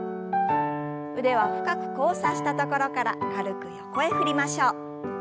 腕は深く交差したところから軽く横へ振りましょう。